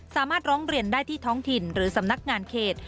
ร้องเรียนได้ที่ท้องถิ่นหรือสำนักงานเขต